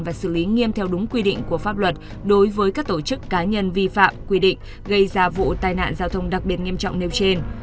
và xử lý nghiêm theo đúng quy định của pháp luật đối với các tổ chức cá nhân vi phạm quy định gây ra vụ tai nạn giao thông đặc biệt nghiêm trọng nêu trên